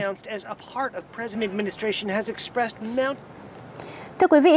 thưa quý vị hàng triệu tín đồ hồi giáo